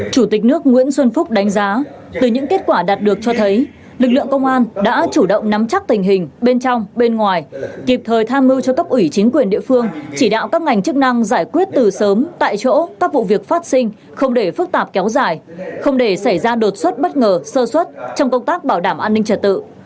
chủ tịch nước nguyễn xuân phúc đánh giá từ những kết quả đạt được cho thấy lực lượng công an đã chủ động nắm chắc tình hình bên trong bên ngoài kịp thời tham mưu cho cấp ủy chính quyền địa phương chỉ đạo các ngành chức năng giải quyết từ sớm tại chỗ các vụ việc phát sinh không để phức tạp kéo dài không để xảy ra đột xuất bất ngờ sơ xuất trong công tác bảo đảm an ninh trật tự